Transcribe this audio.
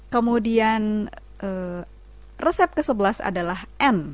kemudian resep ke sebelas adalah n